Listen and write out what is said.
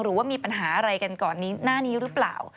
หรือว่ามีปัญหาอะไรกันก่อนหน้านี้หรือเปล่า